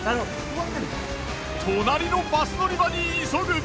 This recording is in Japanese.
隣のバス乗り場に急ぐ！